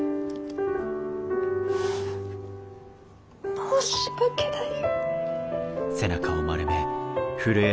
申し訳ない。